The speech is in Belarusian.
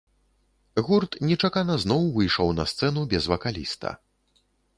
Гурт нечакана зноў выйшаў на сцэну без вакаліста.